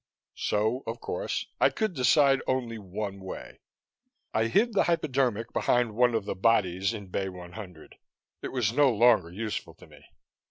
So, of course, I could decide only one way. I hid the hypodermic behind one of the bodies in Bay 100; it was no longer useful to me.